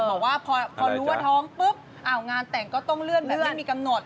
บอกว่าพอรู้ว่าท้องปุ๊บงานแต่งก็ต้องเลื่อนแบบไม่มีกำหนด